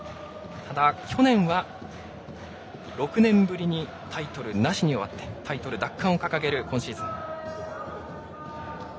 去年は６年ぶりにタイトルなしに終わってタイトル奪還を掲げる今シーズン。